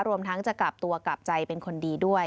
รวมทั้งจะกลับตัวกลับใจเป็นคนดีด้วย